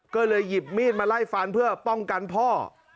ก็เลยหยิบมีดมาไล่ฟันเพื่อป้องกันพ่อ